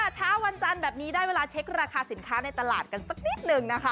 เช้าวันจันทร์แบบนี้ได้เวลาเช็คราคาสินค้าในตลาดกันสักนิดนึงนะคะ